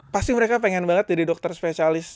pasti mereka pengen banget jadi dokter spesialis